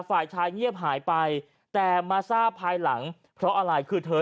ฝ่ายชายเงียบหายไปแต่มาทราบภายหลังเพราะอะไรคือเธอ